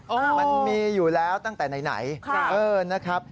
มันมีอยู่แล้วตั้งแต่ไหนนะครับ